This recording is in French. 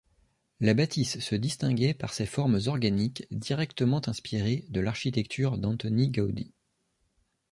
La bâtisse se distinguait par ses formes organiques directement inspirées de l’architecture d’Antoni Gaudí.